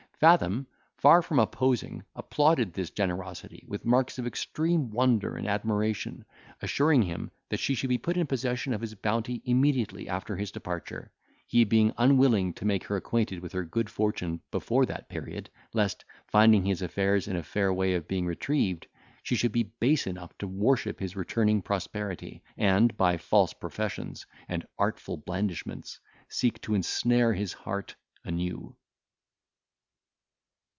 Fathom, far from opposing, applauded his generosity with marks of extreme wonder and admiration, assuring him, that she should be put in possession of his bounty immediately after his departure, he being unwilling to make her acquainted with her good fortune before that period, lest, finding his affairs in a fair way of being retrieved, she should be base enough to worship his returning prosperity, and, by false professions, and artful blandishments, seek to ensnare his heart anew.